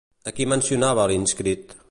A qui mencionava l'inscrit?